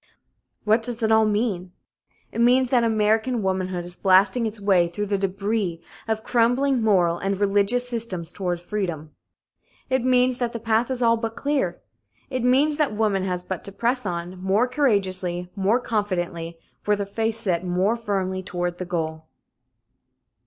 What does it all mean? It means that American womanhood is blasting its way through the débris of crumbling moral and religious systems toward freedom. It means that the path is all but clear. It means that woman has but to press on, more courageously, more confidently, with her face set more firmly toward the goal.